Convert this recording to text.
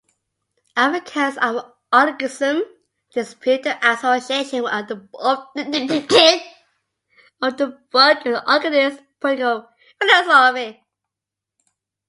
Advocates of anarchism dispute the association of the book with anarchist political philosophy.